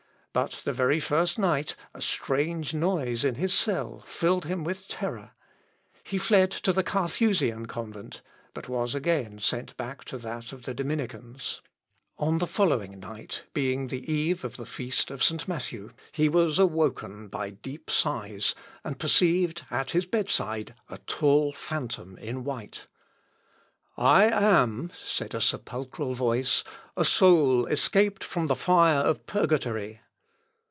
But the very first night a strange noise in his cell filled him with terror. He fled to the Carthusian convent, but was again sent back to that of the Dominicans. [Sidenote: IMPOSTURE.] On the following night, being the eve of the feast of St. Matthew, he was awoke by deep sighs, and perceived at his bedside a tall phantom in white. "I am," said a sepulchral voice, "a soul escaped from the fire of purgatory."